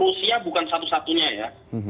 rusia bukan satu satunya ya